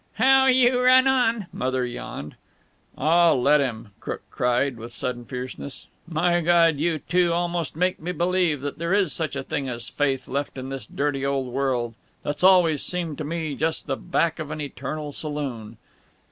"How you run on," Mother yawned. "Aw, let him," Crook cried, with sudden fierceness. "My Gawd! you two almost make me believe that there is such a thing as faith left in this dirty old world, that's always seemed to me just the back of an eternal saloon.